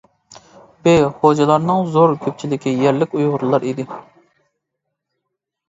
ب خوجىلارنىڭ زور كۆپچىلىكى يەرلىك ئۇيغۇرلار ئىدى.